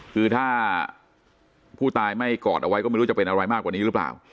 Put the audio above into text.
คือถ้าผู้ตายไม่กอดเอาไว้ก็ไม่รู้จะเป็นอะไรมากกว่านี้หรือเปล่า